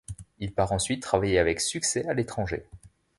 Il part ensuite travailler avec succès à l'étranger.